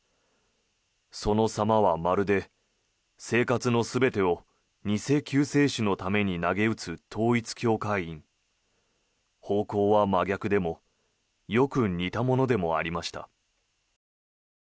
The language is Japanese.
その様はまるで生活の全てを偽救世主のために投げ打つ統一教会員方向は真逆でもよく似たものでもありました。